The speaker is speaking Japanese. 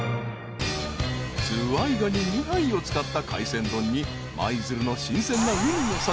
［ズワイガニ２杯を使った海鮮丼に舞鶴の新鮮な海の幸］